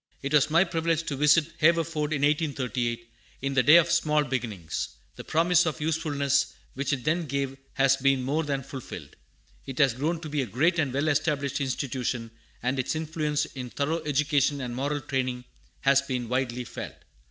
It was my privilege to visit Haverford in 1838, in "the day of small beginnings." The promise of usefulness which it then gave has been more than fulfilled. It has grown to be a great and well established institution, and its influence in thorough education and moral training has been widely felt.